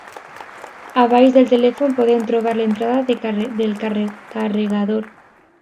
A baix del telèfon podem trobar l'entrada del carregador.